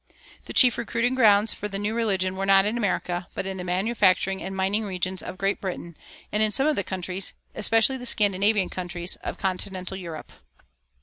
The chief recruiting grounds for the new religion were not in America, but in the manufacturing and mining regions of Great Britain, and in some of the countries, especially the Scandinavian countries, of continental Europe.